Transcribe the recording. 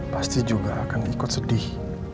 pasti juga akan ikut sedih